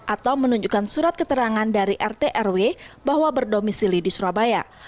atau menunjukkan surat keterangan dari rt rw bahwa berdomisili di surabaya